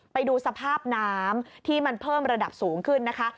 ไปดูสภาพน้ำที่มันเพิ่มระดับสูงขึ้นนะคะ